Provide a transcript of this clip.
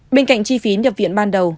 bên cạnh chi phí nhập viện ban đầu